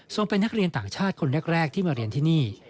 เป็นนักเรียนต่างชาติคนแรกที่มาเรียนที่นี่